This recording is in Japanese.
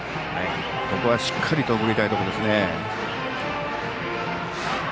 ここはしっかり送りたいところですね。